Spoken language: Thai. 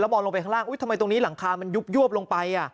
มองลงไปข้างล่างทำไมตรงนี้หลังคามันยุบยวบลงไป